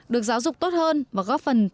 được giáo dục tốt hơn và góp phần